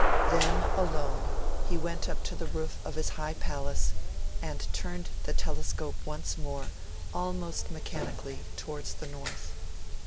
Then, alone, he went up to the roof of his high palace, and turned the telescope once more, almost mechanically, towards the north.